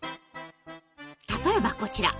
例えばこちら。